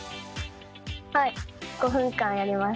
はい５分間やりました。